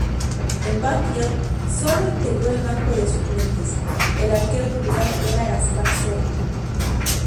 En Banfield sólo integró el banco de suplentes, el arquero titular era Gaspar Servio.